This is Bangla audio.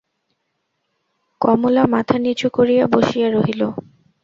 কমলা মাথা নিচু করিয়া বসিয়া রহিল।